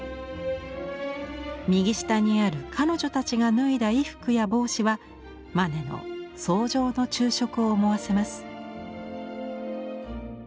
右下にある彼女たちが脱いだ衣服や帽子はマネの「草上の昼食」を思わせます。